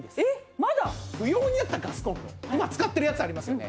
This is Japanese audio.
不要になったガスコンロ今使ってるやつありますよね。